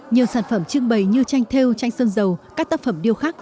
nhiều sản phẩm trưng bày như tranh theo tranh sơn dầu các tác phẩm điêu khắc